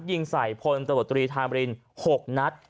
ยิงใส่พลตรวจตรีทางบริน๖นัท